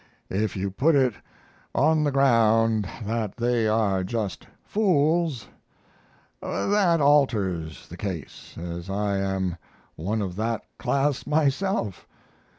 if you put it on the ground that they are just fools, that alters the case, as I am one of that class myself.